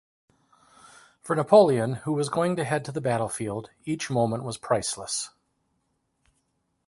For Napoleon, who was going to head to the battlefield, each moment was priceless.